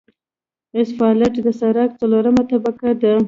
اسفالټ د سرک څلورمه طبقه ده